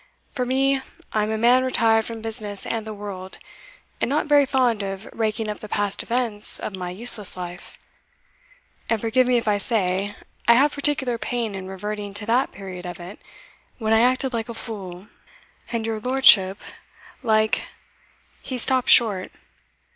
For me, I am a man retired from business and the world, and not very fond of raking up the past events of my useless life; and forgive me if I say, I have particular pain in reverting to that period of it when I acted like a fool, and your lordship like" He stopped short.